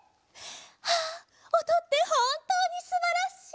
あおとってほんとうにすばらしい！